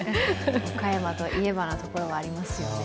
岡山といえばのところはありますよね。